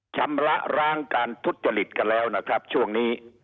ชำระร้างการทุจริตกันแล้วนะครับช่วงนี้